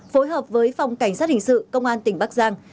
phối hợp với phòng cảnh sát hình sự công an tỉnh bắc giang